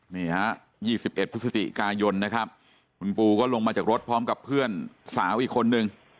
นี่ฮะ๒๑พฤศจิกายนนะครับคุณปูก็ลงมาจากรถพร้อมกับเพื่อนสาวอีกคนนึง